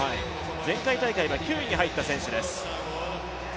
前回大会は９位に入った選手です。